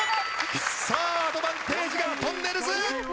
さあアドバンテージがとんねるず！